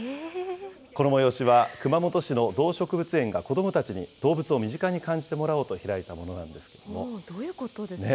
この催しは、熊本市の動植物園が子どもたちに動物を身近に感じてもらおうと開どういうことですか？